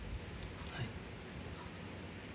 はい。